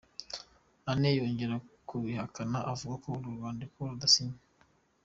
Anne yongeye kubihakana avuga ko urwo rwandiko rudasinye.